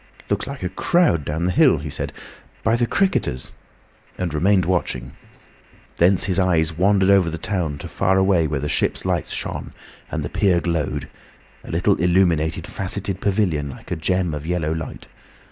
"Looks like a crowd down the hill," he said, "by 'The Cricketers,'" and remained watching. Thence his eyes wandered over the town to far away where the ships' lights shone, and the pier glowed—a little illuminated, facetted pavilion like a gem of yellow light.